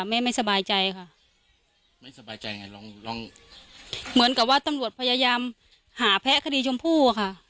ไม่สบายใจค่ะไม่สบายใจไงลองลองเหมือนกับว่าตำรวจพยายามหาแพ้คดีชมพู่อ่ะค่ะ